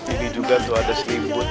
ini juga tuh ada selimut